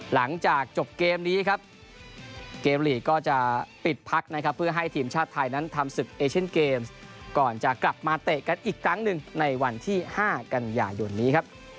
หลังจากจบเกมนี้ครับเกมลีกก็จะปิดพักนะครับเพื่อให้ทีมชาติไทยนั้นทำศึกเอเชียนเกมส์ก่อนจะกลับมาเตะกันอีกครั้งหนึ่งในวันที่๕กันยายนนี้ครับ